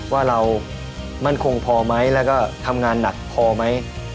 ว่าเรามั่นคงพอไหมแล้วก็ทำงานหนักพอไหม